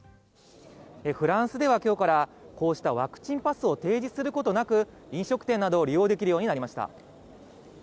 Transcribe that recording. フランスでは今日からこうしたワクチンパスを提示することなく飲食店などを利用できるようになりました。